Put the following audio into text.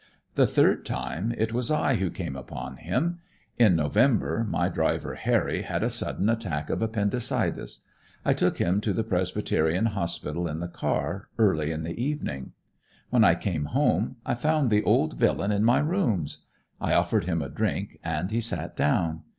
The third time, it was I who came upon him. In November my driver, Harry, had a sudden attack of appendicitis. I took him to the Presbyterian Hospital in the car, early in the evening. When I came home, I found the old villain in my rooms. I offered him a drink, and he sat down.